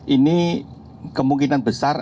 ini kemungkinan besar